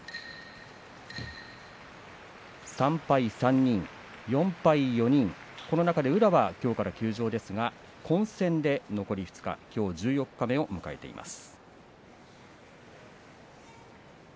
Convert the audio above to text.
３敗３人、４敗４人この中で宇良はきょうから休場ですが混戦で残り２日きょう十四日目を迎えています。